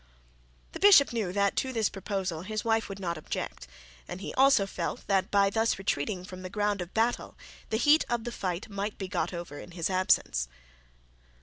The bishop knew that to this proposal his wife would not object; and he also felt that by thus retreating from the ground of battle, the heat of the fight might be got over in his absence.